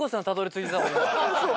そう。